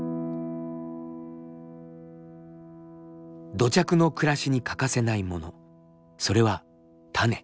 土着の暮らしに欠かせないものそれは種。